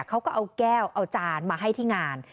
เขาก็เอาแก้วเอาจานมาให้ที่งาน